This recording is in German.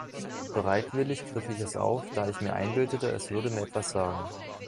Bereitwillig griff ich es auf, da ich mir einbildete, es würde mir etwas sagen.